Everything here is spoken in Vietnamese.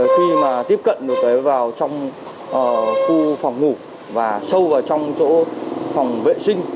khi mà tiếp cận được vào trong khu phòng ngủ và sâu vào trong chỗ phòng vệ sinh